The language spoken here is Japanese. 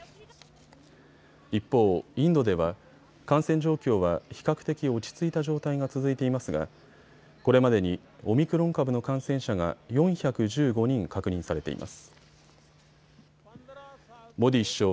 一方、インドでは感染状況は比較的落ち着いた状態が続いていますがこれまでにオミクロン株の感染者が４１５人確認されています。